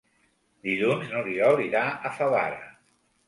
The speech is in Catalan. Dilluns n'Oriol irà a Favara.